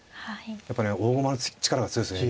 やっぱね大駒の力が強いですね。